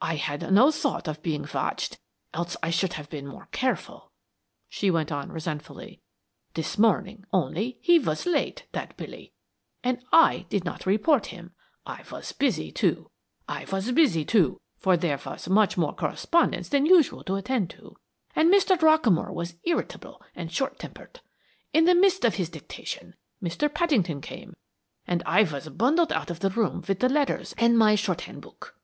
"I had no thought of being watched, else I should have been more careful," she went on, resentfully. "This morning, only, he was late that Billy and I did not report him. I was busy, too, for there was more correspondence than usual to attend to, and Mr. Rockamore was irritable and short tempered. In the midst of his dictation Mr. Paddington came, and I was bundled out of the room with the letters and my shorthand book.